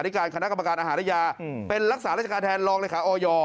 การคณะกรรมการอาหารและยาเป็นรักษาราชการแทนรองเลขาออย